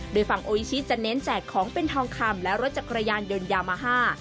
โดยฝั่งโออิชิจะเน้นแจกของเป็นทองคำและรถจักรยานยนต์ยามาฮ่า